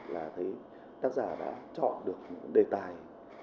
là thấy tác giả đã chọn được đề tài